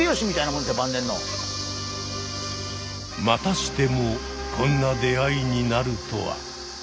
またしてもこんな出会いになるとは。